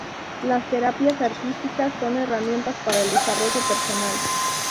Las terapias artísticas son herramientas para el desarrollo personal.